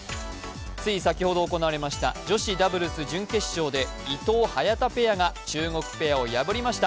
つい先ほど行われました女子ダブルス準決勝で伊藤・早田ペアが中国ペアを破りました。